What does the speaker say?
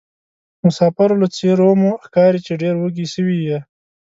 مسافرو له څېرومو ښکاري چې ډېروږي سوي یې.